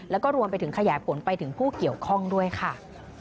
แล้วก็รวมไปถึงขยายผลไปถึงผู้เกี่ยวข้องด้วยค่ะ